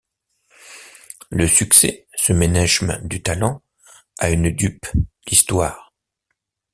Le succès, ce ménechme du talent, a une dupe, l’histoire.